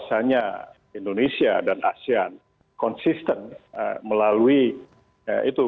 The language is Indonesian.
biasanya indonesia dan asean konsisten melalui itu